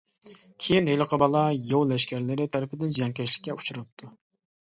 كېيىن ھېلىقى بالا ياۋ لەشكەرلىرى تەرىپىدىن زىيانكەشلىككە ئۇچراپتۇ.